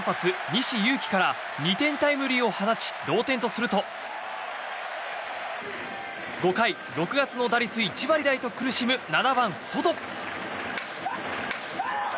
西勇輝から２点タイムリーを放ち同点とすると５回、６月の打率１割台と苦しむ７番、ソト。